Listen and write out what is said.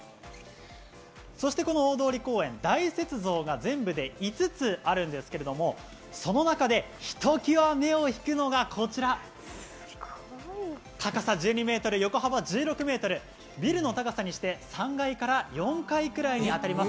この大通公園、大雪像が全部で５つあるんですけれども、その中でひときわ目を引くのが、こちら、高さ１２メートル、横幅１６メートル、ビルの高さにして３階から４階くらいにあたります